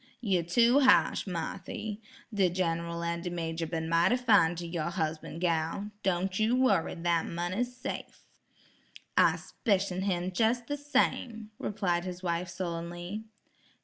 "You tew ha'sh, Marthy. De Gen'ral an' de major been mighty fine ter your husban', gal. Don' you worry, dat money's safe." "I 'spicion him jes' the same," replied his wife sullenly.